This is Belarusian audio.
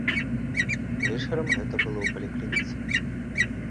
Вечарам гэта было ў паліклініцы.